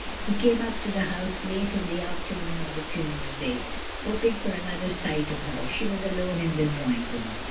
He came up to the house late in the afternoon of the funeral day, hoping for an other sight of her. She was alone in the drawing room.